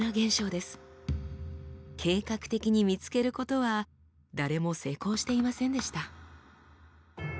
計画的に見つけることは誰も成功していませんでした。